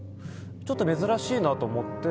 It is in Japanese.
ちょっと珍しいなと思って。